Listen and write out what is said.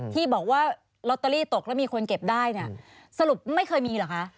ที่บอกว่าลอตเตอรี่ตกแล้วมีคนเก็บได้เนี่ยสรุปไม่เคยมีเหรอคะ